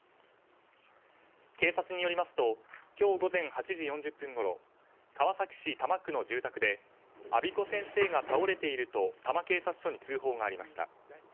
警察によりますと今日午前８時４０分ごろ川崎市多摩区の住宅で安孫子先生が倒れていると多摩警察署に通報がありました。